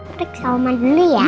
periksa oma dulu ya